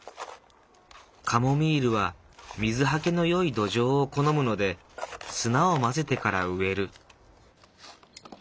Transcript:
カモミールは水はけの良い土壌を好むので砂を混ぜてから植える。